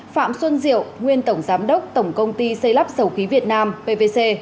phạm xuân diệu nguyên tổng giám đốc tổng công ty xây lắp dầu ký việt nam pvc